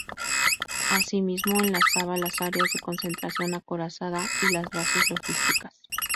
Asimismo enlazaba las áreas de concentración acorazada y las bases logísticas.